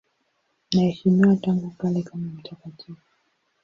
Anaheshimiwa tangu kale kama mtakatifu.